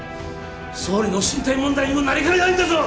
総理の進退問題にもなりかねないんだぞ！